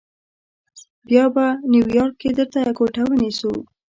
بیا به نیویارک کې درته کوټه ونیسو.